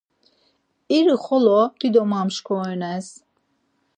İri xolo dido mamşkirones.